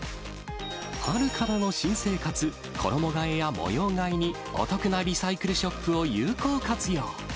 春からの新生活、衣がえや模様替えにお得なリサイクルショップを有効活用。